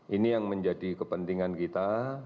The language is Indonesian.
ini yang menjadi kepentingan kita